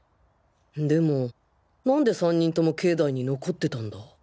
でもなんで３人とも境内に残ってたんだ？